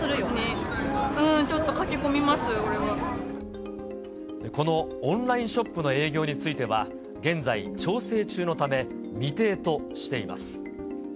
ちょっと駆け込みます、このオンラインショップの営業については、現在調整中のため、未定としています。